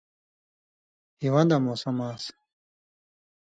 ہِون٘داں موسم آن٘س